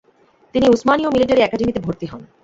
তিনি উসমানীয় মিলিটারি একাডেমীতে ভর্তি হন।